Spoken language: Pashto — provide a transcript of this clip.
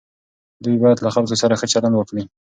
دوی باید له خلکو سره ښه چلند وکړي.